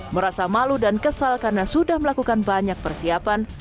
merasa malu dan kesal karena sudah melakukan banyak persiapan